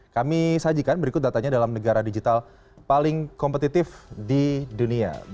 kami sajikan berikut datanya dalam negara digital paling kompetitif di dunia